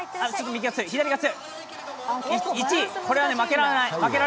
左が強い、これは負けられない。